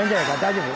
大丈夫？